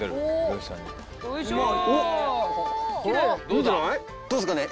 どうですかね？